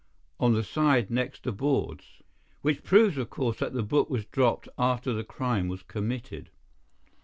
"On the side next the boards." "Which proves, of course, that the book was dropped after the crime was committed."